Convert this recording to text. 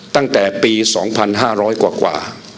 ตั้งแต่ปี๒๕๐๐กว่า